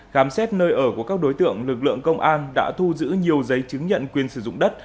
khám xét nơi ở của các đối tượng lực lượng công an đã thu giữ nhiều giấy chứng nhận quyền sử dụng đất